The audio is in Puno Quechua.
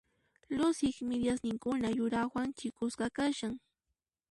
Luciq midiasninkuna yuraqwan ch'ikusqa kashan.